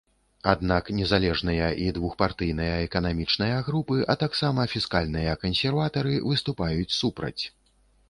Аднак незалежныя і двухпартыйныя эканамічныя групы, а таксама фіскальныя кансерватары, выступаюць супраць.